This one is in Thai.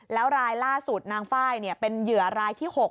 แล้วรายล่าสุดนางไฟล์เป็นเหยื่อรายที่๖